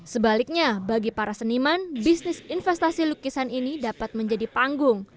sebaliknya bagi para seniman bisnis investasi lukisan ini dapat menjadi panggung